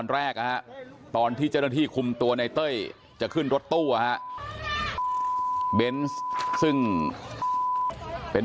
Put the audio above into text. เลยต้องมาป้องกันเพื่อนมาปกป้องเพื่อน